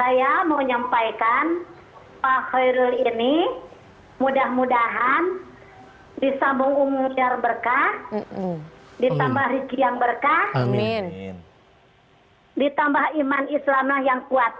saya mau menyampaikan pak hoi eroh ini mudah mudahan disambung umum biar berkah ditambah rizki yang berkah ditambah iman islam yang kuat